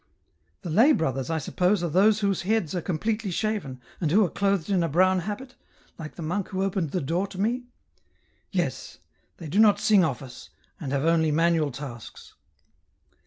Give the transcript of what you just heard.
" The lay brothers, I suppose, are those whose heads are completely shaven, and who are clothed in a brown habit, like the monk who opened the door to me?" *' Yes ; they do not sing office, and have only manual tasks."